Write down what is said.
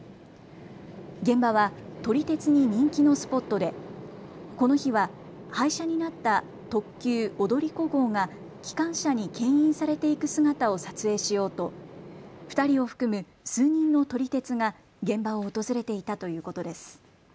現場は撮り鉄に人気のスポットでこの日は廃車になった特急踊り子号が機関車にけん引されていく姿を撮影しようと２人を含む、数人の撮り鉄が現場を訪れていたということです。